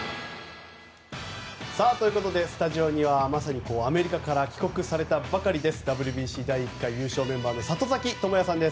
スタジオにはまさにアメリカから帰国されたばかりのＷＢＣ第１回優勝メンバーの里崎智也さんです。